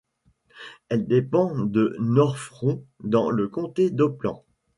Elle dépend de Nord-Fron dans le comté d'Oppland.